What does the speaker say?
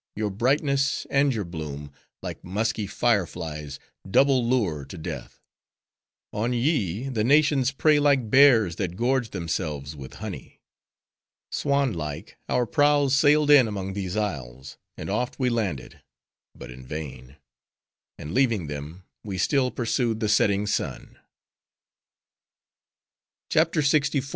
your brightness and your bloom, like musky fire flies, double lure to death! On ye, the nations prey like bears that gorge themselves with honey." Swan like, our prows sailed in among these isles; and oft we landed; but in vain; and leaving them, we still pursued the setting sun. CHAPTER LXIV.